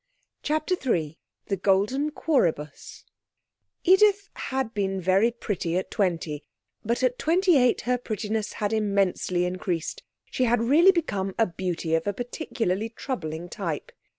CHAPTER III The Golden Quoribus Edith had been very pretty at twenty, but at twenty eight her prettiness had immensely increased; she had really become a beauty of a particularly troubling type.